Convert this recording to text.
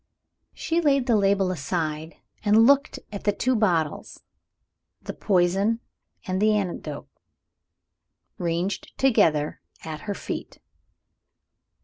She laid the label aside, and looked at the two bottles the poison and the antidote ranged together at her feet.